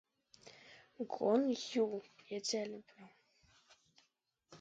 Alpha Omicron Pi has only one jewel, the ruby.